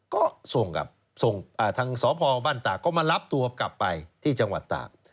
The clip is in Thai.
ก็ทางสพบ้านตากก็มารับตัวกลับไปที่จังหวัดตาก